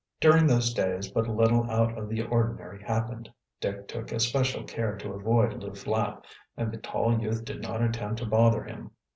During those days but little out of the ordinary happened. Dick took especial care to avoid Lew Flapp, and the tall youth did not attempt to bother him.